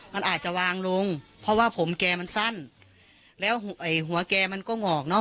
มันอาจจะวางลงเพราะว่าผมแกมันสั้นแล้วไอ้หัวแกมันก็งอกเนอะ